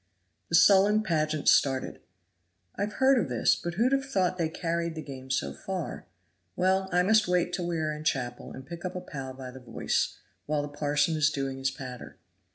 The sullen pageant started. "I've heard of this, but who'd have thought they carried the game so far? Well, I must wait till we are in chapel and pick up a pal by the voice, while the parson is doing his patter."